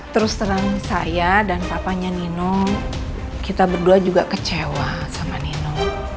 terus terang saya dan papanya nino kita berdua juga kecewa sama nino